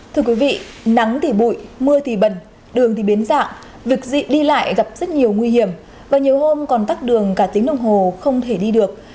thưa quý vị nắng thì bụi mưa thì bần đường thì biến dạng việc dị đi lại gặp rất nhiều nguy hiểm và nhiều hôm còn tắc đường cả tiếng đồng hồ không thể đi được